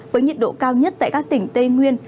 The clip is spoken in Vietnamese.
với nhiệt độ cao nhất tại các tỉnh tây nguyên